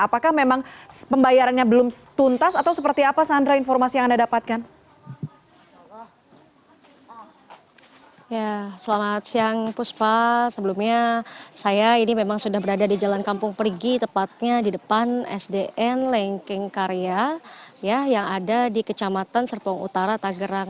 apakah memang pembayarannya belum tuntas atau seperti apa sandra informasi yang anda dapatkan